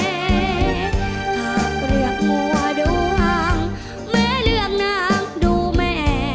ถ้าจะเลือกหัวดวงแม่เลือกนางดูแม่